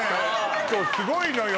今日すごいのよ。